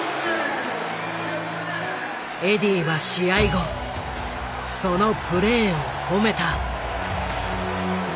エディーは試合後そのプレーを褒めた。